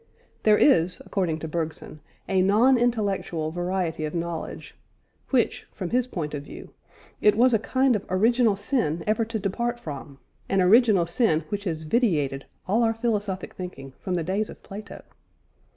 There is, according to Bergson, a non intellectual variety of knowledge, which (from his point of view) it was a kind of original sin ever to depart from; an original sin which has vitiated all our philosophic thinking from the days of Plato.